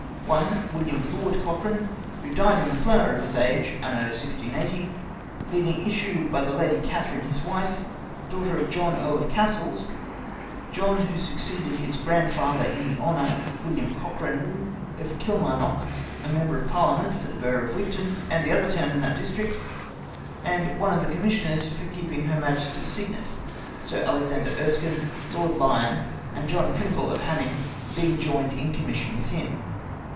" I. William Lord Cochran, who dyed in the flower of his Age, Anno 1680, leaving Issue by the Lady Catherine his Wife, Daughter of John Earl of Cassils, John who succeeded his Grand father in the Honour, William Cochran, of Kil mar o nock, a Member of Parliament for the Bm gh of Wigtoun, and the other towns in that District and one of the Com aiissioners for keeping her Majesty's Signet, Sir Alexander 32 ACCOUXT OF THE DUXDOXALD FA]\IILY. Erskin, Lord Lyon, and John Pringle, of Haining, being joined iii Commission with him.